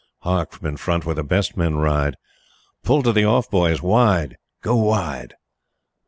Hark, from in front where the best men ride: "Pull to the off, boys! Wide! Go wide!"